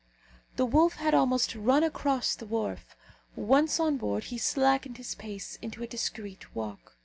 The wolf had almost run across the wharf; once on board, he slackened his pace into a discreet walk.